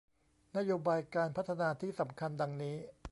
นโยบายการพัฒนาที่สำคัญดังนี้